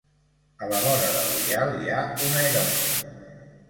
A la vora del vial hi ha un aeròdrom.